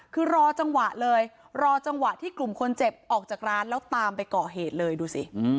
คือรอจังหวะเลยรอจังหวะที่กลุ่มคนเจ็บออกจากร้านแล้วตามไปก่อเหตุเลยดูสิ